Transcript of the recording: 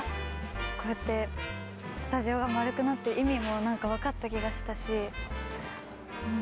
こうやってスタジオが丸くなって意味も何か分かった気がしたしうん